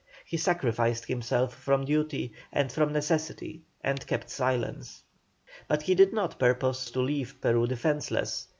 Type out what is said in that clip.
He sacrificed himself from duty, and from necessity, and kept silence. But he did not purpose to leave Peru defenceless.